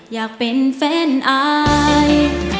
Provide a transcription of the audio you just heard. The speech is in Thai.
อยากเป็นแฟนอาย